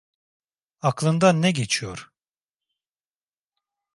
Aklından ne geçiyor?